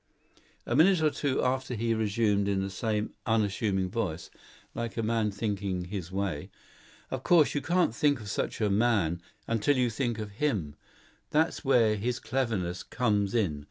A minute or two after he resumed in the same unassuming voice, like a man thinking his way. "Of course you can't think of such a man, until you do think of him. That's where his cleverness comes in.